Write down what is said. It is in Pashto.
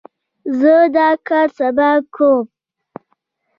زه دا کار سبا کوم.